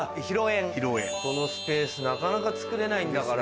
広縁このスペースなかなかつくれないんだから。